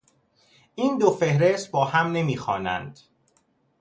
این دو فهرست با هم نمیخوانند.